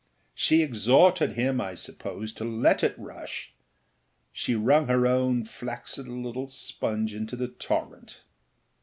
She exhorted him, I suppose, to let it rush; she wrung her own flaccid little sponge into the torrent.